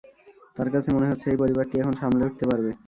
তাঁর কাছে মনে হচ্ছে এই পরিবারটি এখন সামলে উঠতে পারবে।